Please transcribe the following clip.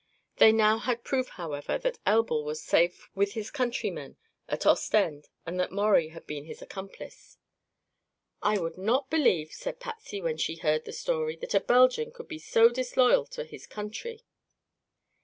They now had proof, however, that Elbl was safe with his countrymen at Ostend and that Maurie had been his accomplice. "I would not believe," said Patsy, when she heard the story, "that a Belgian could be so disloyal to his country."